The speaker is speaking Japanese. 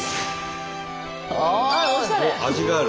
味がある。